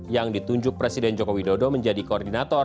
yang ditunjuk presiden joko widodo menjadi koordinator